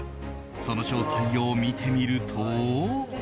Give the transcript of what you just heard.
その詳細を見てみると。